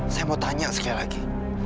saya mau tanya sekali lagi